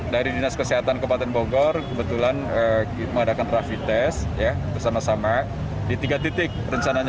dari dinas kesehatan kabupaten bogor kebetulan mengadakan rapid test bersama sama di tiga titik rencananya